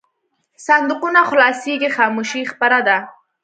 صندوقونه خلاصېږي خاموشي خپره ده.